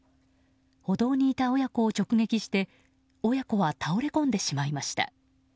歩道にいた親子を直撃して親子は倒れこんでしまいました。